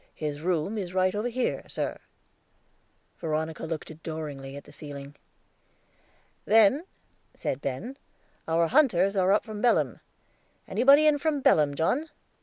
His room is right over here, sir." Veronica looked adoringly at the ceiling. "Then," said Ben, "our hunters are up from Belem. Anybody in from Belem, John?"